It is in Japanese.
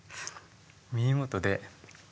耳元で。